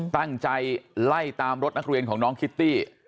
ตั้งใจไล่ตามรถนักเรียนของน้องคิตตี้